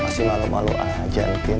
masih malu malu aja mungkin